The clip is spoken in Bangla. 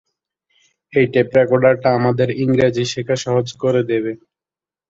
এই টেপ রেকর্ডারটা আমাদের ইংরাজি শেখা সহজ করে দেবে।